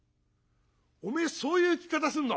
「おめえそういう聞き方すんの？